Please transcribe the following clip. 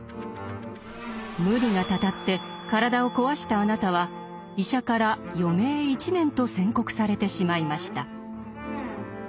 無理がたたって体を壊したあなたは医者から余命１年と宣告されてしまいました。